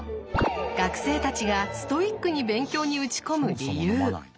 学生たちがストイックに勉強に打ち込む理由。